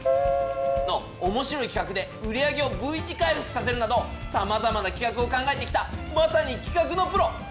プー。のおもしろい企画で売り上げをＶ字回復させるなどさまざまな企画を考えてきたまさに企画のプロ。